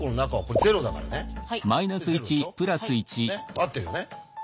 合ってるよね？